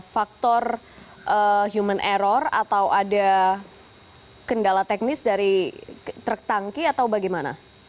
faktor human error atau ada kendala teknis dari truk tangki atau bagaimana